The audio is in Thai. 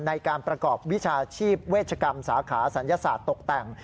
ในการประกอบวิชาชีพเวชกรรมสาขาศัลยศาสตร์ตกแต่ง